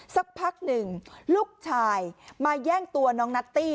สักพักหนึ่งลูกชายมาแย่งตัวน้องนัตตี้